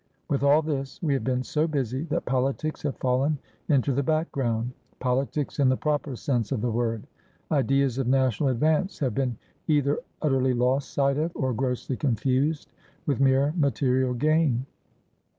With all this we have been so busy that politics have fallen into the backgroundpolitics in the proper sense of the word. Ideas of national advance have been either utterly lost sight of, or grossly confused with mere material gain.